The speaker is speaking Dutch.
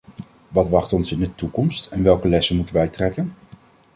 Wat wacht ons in de toekomst en welke lessen moeten wij trekken?